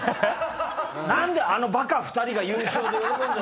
何であのバカ２人が優勝で喜んでんだ？